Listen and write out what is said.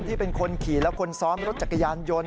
ที่เป็นคนขี่และคนซ้อนรถจักรยานยนต์